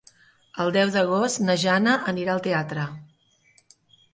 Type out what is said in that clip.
El deu d'agost na Jana anirà al teatre.